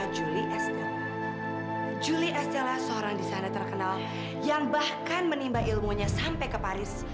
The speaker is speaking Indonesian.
juli estella seorang di sana terkenal yang bahkan menimba ilmunya sampai ke paris